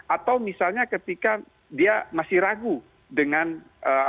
atau misalnya ketika dia masih ragu dengan apa